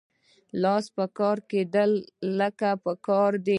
لاس په کار کیدل کله پکار دي؟